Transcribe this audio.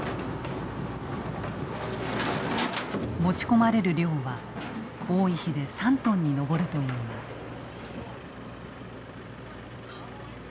持ち込まれる量は多い日で３トンに上るといいます。